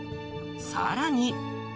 さらに。